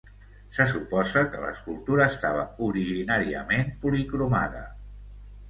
Se suposa que l'escultura estava originàriament policromada.